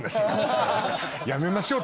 やめましょう